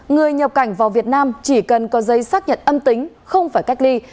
người nhập cảnh vào việt nam chỉ cần có giấy xác nhận âm tính không phải cách ly